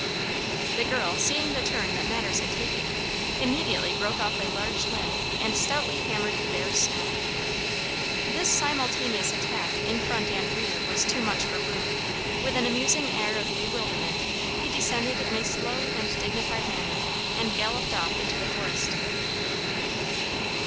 The girl seeing the turn that matters had taken, immediately broke off a large limb and stoutly hammered the bear's snout. This simultaneous attack in front and rear was too much for bruin: with an amusing air of bewilderment he descended in a slow and dignified manner and galloped off into the forest.